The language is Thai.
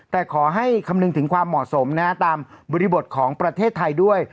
แต่ขอให้คำนึงถึงความเหมาะสมนะตามบริบทของประเทศไทยด้วย